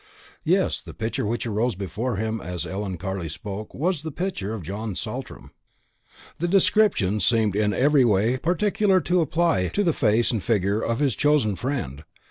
Yes, the picture which arose before him as Ellen Carley spoke was the picture of John Saltram. The description seemed in every particular to apply to the face and figure of his one chosen friend.